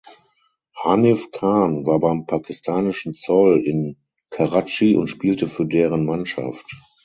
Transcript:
Hanif Khan war beim pakistanischen Zoll in Karatschi und spielte für deren Mannschaft.